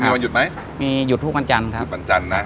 มีวันหยุดไหมมีหยุดทุกวันจันทร์ครับหยุดวันจันทร์นะ